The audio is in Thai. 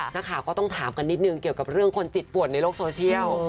นักข่าวก็ต้องถามกันนิดนึงเกี่ยวกับเรื่องคนจิตป่วนในโลกโซเชียล